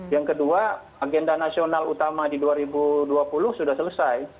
yang kedua agenda nasional utama di dua ribu dua puluh sudah selesai